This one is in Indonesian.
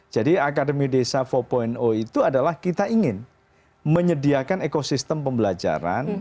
jadi akademi desa empat itu adalah kita ingin menyediakan ekosistem pembelajaran